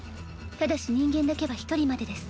ただし人間だけは１人までです